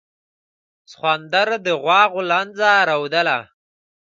سخوندر د غوا غولانځه رودله.